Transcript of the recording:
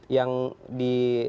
yang diberikan kepada pak